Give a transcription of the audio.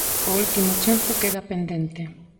O último chanzo queda pendente.